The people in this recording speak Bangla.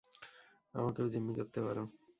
আমাকেও জিম্মি করতে পারো।